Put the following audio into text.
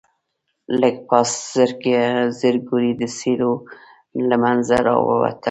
لږ پاس زرکوړي د څېړيو له منځه راووتل.